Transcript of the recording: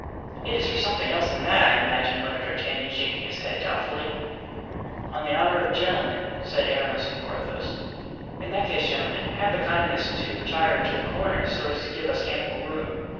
"It is for something else than that, I imagine," muttered D'Artagnan, shaking his head doubtfully. "On the honor of gentlemen," said Aramis and Porthos. "In that case, gentlemen, have the kindness to retire into the corners, so as to give us ample room.